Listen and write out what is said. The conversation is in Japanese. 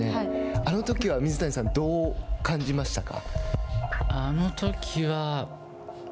あのときは水谷さんどう感じましたか。